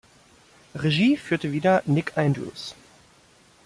Regie führte wieder Nic Andrews.